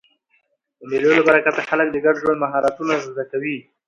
د مېلو له برکته خلک د ګډ ژوند مهارتونه زده کوي.